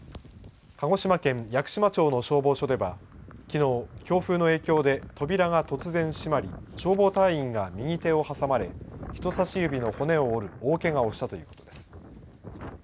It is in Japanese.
鹿児島県屋久島町の消防署では、きのう強風の影響で扉が突然閉まり、消防隊員が右手を挟まれ、人さし指の骨を折る大けがをしたということです。